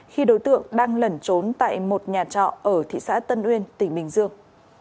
khi đối tượng đang lẩn trốn tại một nhà trọ ở thị xã tân uyên tỉnh bình dương